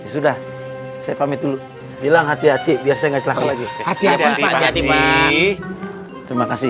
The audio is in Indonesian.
sudah saya pamit dulu bilang hati hati biar saya nggak celaka lagi hati hati terima kasih